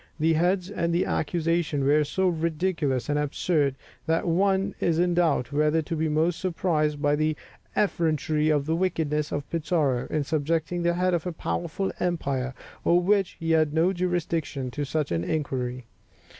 The heads of the accusation were so ridiculous and absurd, that one is in doubt whether to be most surprised by the effrontery or the wickedness of Pizarro, in subjecting the head of a powerful empire, over which he had no jurisdiction, to such an inquiry.